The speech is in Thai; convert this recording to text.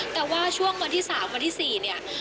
แต่ว่าช่วงวันที่๓วันที่๔เนี่ย